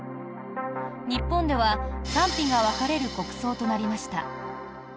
日本では賛否が分かれる国葬となりました。